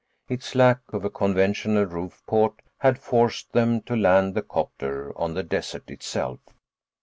Its lack of a conventional roofport had forced them to land the 'copter on the desert itself.